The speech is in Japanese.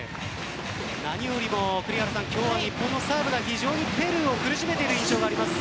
何よりも今日は日本のサーブが非常にペルーを苦しめている印象があります。